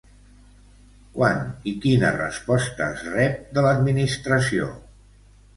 Quan i quina resposta es rep de l'Administració?